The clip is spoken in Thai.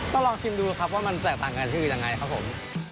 ก็ลองชิมดูครับว่ามันแตกต่างกันที่อื่นยังไงครับผม